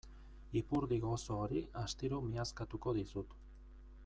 Ipurdi gozo hori astiro miazkatuko dizut.